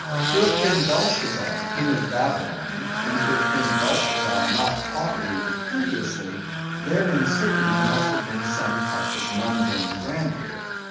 To have been Belshazzar, King of Babylon; and to have been Belshazzar, not haughtily but courteously, therein certainly must have been some touch of mundane grandeur.